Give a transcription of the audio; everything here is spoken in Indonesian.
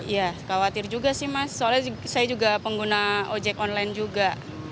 ya khawatir juga sih mas soalnya saya juga pengguna ojek online juga